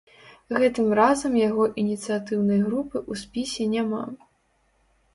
Гэтым разам яго ініцыятыўнай групы ў спісе няма.